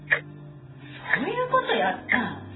そういう事やったん。